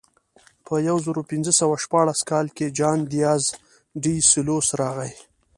په یو زرو پینځه سوه شپاړس کال کې جان دیاز ډي سلوس راغی.